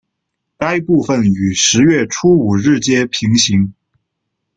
该部份与十月初五日街平行。